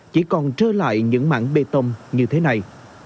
chỉ còn trơ lại những mảng bê tông như thế này